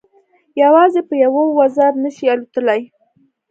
یوازې په یوه وزر نه شي الوتلای.